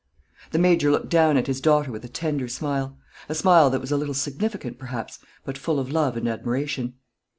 The Major looked down at his daughter with a tender smile, a smile that was a little significant, perhaps, but full of love and admiration.